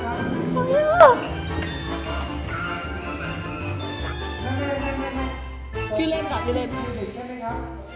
เฮ้ยมาอันนี้พอว่าเอานี่ของใครแล้วของใครอ่ะ